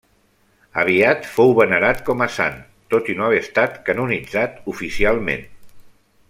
Aviat fou venerat com a sant, tot i no haver estat canonitzat oficialment.